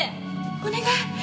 お願い